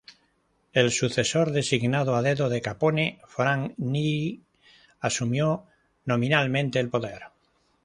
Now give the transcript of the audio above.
El sucesor designado a dedo de Capone, Frank Nitti asumió nominalmente el poder.